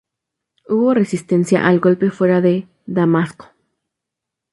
Hubo resistencia al golpe fuera de Damasco.